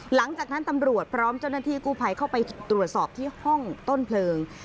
หลังจากนั้นตำรวจพร้อมเจ้าหน้าที่กู้ภัยเข้าไปตรวจสอบที่ห้องต้นเพลิง